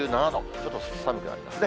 ちょっと寒くなりますね。